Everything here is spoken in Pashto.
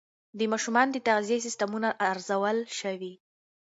د ماشومانو د تغذیې سیستمونه ارزول شوي.